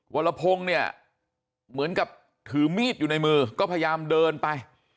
วรพงศ์เนี่ยเหมือนกับถือมีดอยู่ในมือก็พยายามเดินไป